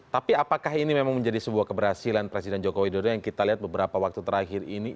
tapi apakah ini memang menjadi sebuah keberhasilan presiden jokowi dodo yang kita lihat beberapa waktu terakhir ini